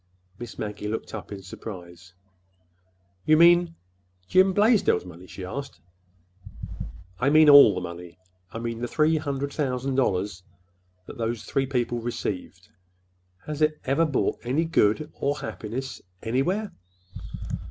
Miss Maggie looked up in surprise. "You mean—Jim Blaisdell's money?" she asked. "I mean all the money—I mean the three hundred thousand dollars that those three people received. Has it ever brought any good or happiness—anywhere?"